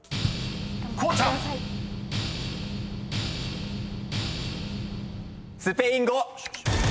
［こうちゃん］スペイン語。